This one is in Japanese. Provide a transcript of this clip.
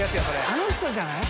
あの人じゃない？